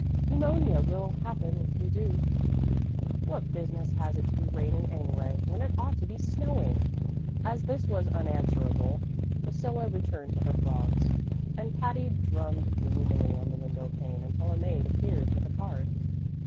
"Pneumonia will happen if you do." "What business has it to be raining, anyway, when it ought to be snowing?" As this was unanswerable, Priscilla returned to her frogs, and Patty drummed gloomily on the window pane until a maid appeared with a card.